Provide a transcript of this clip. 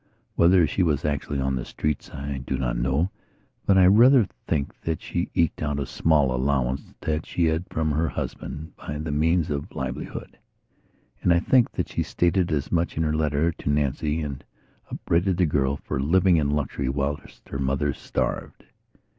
Whether she was actually on the streets I do not know, but I rather think that she eked out a small allowance that she had from her husband by that means of livelihood. And I think that she stated as much in her letter to Nancy and upbraided the girl with living in luxury whilst her mother starved.